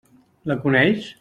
La coneix?